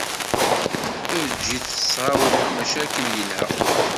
Eg-it s tɣawla maca akken yelha.